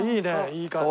いい感じ。